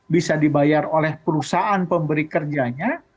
bisa dibayar oleh perusahaan pemberi kerjanya